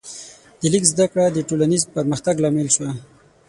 د لیک زده کړه د ټولنیز پرمختګ لامل شوه.